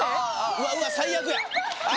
うわうわ最悪やあ